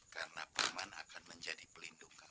karena pak man akan menjadi pelindung kamu